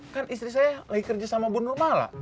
kan istri saya lagi kerja sama bu nurmala